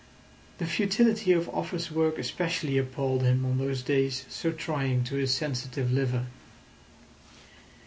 The futility of office work especially appalled him on those days so trying to his sensitive liver.